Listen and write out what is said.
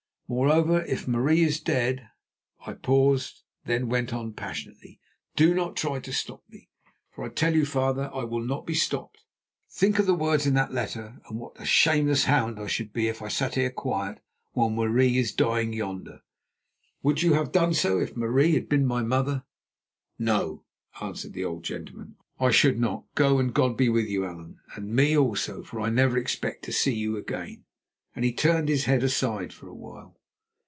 Moreover, if Marie is dead"—I paused, then went on passionately—"Do not try to stop me, for I tell you, father, I will not be stopped. Think of the words in that letter and what a shameless hound I should be if I sat here quiet while Marie is dying yonder. Would you have done so if Marie had been my mother?" "No," answered the old gentleman, "I should not. Go, and God be with you, Allan, and me also, for I never expect to see you again." And he turned his head aside for a while.